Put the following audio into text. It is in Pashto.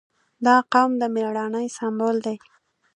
• دا قوم د مېړانې سمبول دی.